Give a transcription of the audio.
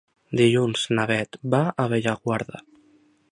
Dilluns na Bet va a Bellaguarda.